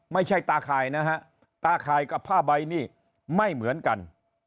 ไม่ใช่ตาข่ายนะฮะตาข่ายกับผ้าใบนี่ไม่เหมือนกัน